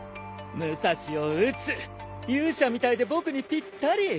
武蔵を討つ勇者みたいで僕にピッタリ。